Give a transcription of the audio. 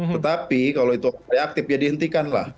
tetapi kalau itu reaktif ya dihentikanlah